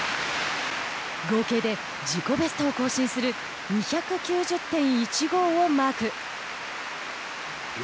合計で自己ベストを更新する２９０．１５をマーク。